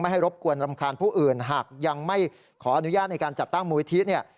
ให้รบกวนรำคาญผู้อื่นหากยังไม่ขออนุญาตในการจัดตั้งมูลิธิเนี่ย